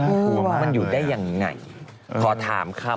น่ากลัวมากเลยอ่ะโอเคเนี่ยมันอยู่ได้อย่างไงพอถามคำ